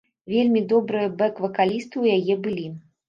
Вельмі добрыя бэк-вакалісты ў яе былі.